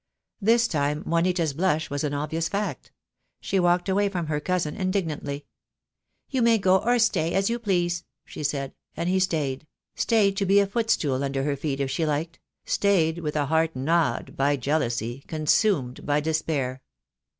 This time Juanita's blush was an obvious fact. She walked away from her cousin indignantly. "You may go or stay, as you please," she said; and he stayed, stayed to be a footstool under her feet if she liked — stayed with a heart gnawed by jealousy, consumed by despair.